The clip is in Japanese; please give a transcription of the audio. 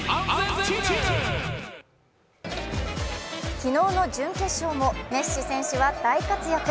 昨日の準決勝もメッシ選手は大活躍。